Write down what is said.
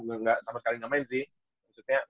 gak sama sekali gak main sih maksudnya